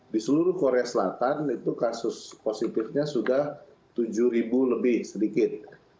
di seluruh korea selatan itu kasus positifnya sudah tujuh ribu lebih sedikit